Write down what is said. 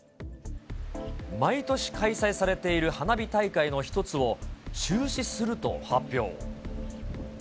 毎年開催されている花火大会の一つを中止すると発表。